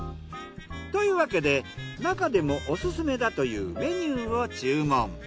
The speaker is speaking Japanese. というわけでなかでもオススメだというメニューを注文。